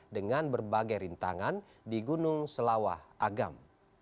dengan berbagai rintangan di gunung selawah agam